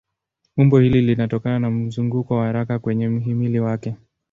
Umbo hili linatokana na mzunguko wa haraka kwenye mhimili wake.